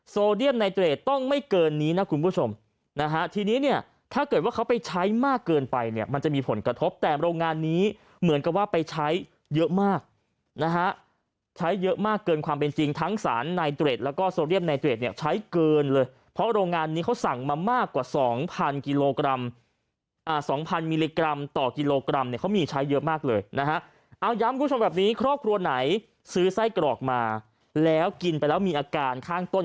โซเดียมนายเตอร์เรดต้องไม่เกินนี้นะคุณผู้ชมนะฮะทีนี้เนี่ยถ้าเกิดว่าเขาไปใช้มากเกินไปเนี่ยมันจะมีผลกระทบแต่โรงงานนี้เหมือนกับว่าไปใช้เยอะมากนะฮะใช้เยอะมากเกินความเป็นจริงทั้งสารนายเตอร์เรดแล้วก็โซเดียมนายเตอร์เรดเนี่ยใช้เกินเลยเพราะโรงงานนี้เขาสั่งมามากกว่าสองพันกิโลกรัมอ่าสองพัน